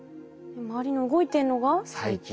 周りの動いてるのが細菌？